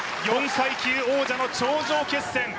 ４階級王者の頂上決戦。